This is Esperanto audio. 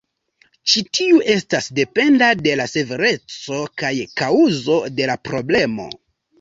Ĉi tiu estas dependa de la severeco kaj kaŭzo de la problemo.